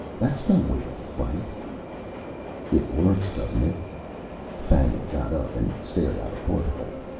"That's no way to fight." "It works, doesn't it?" Fannia got up and stared out a porthole.